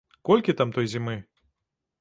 Колькі там той зімы?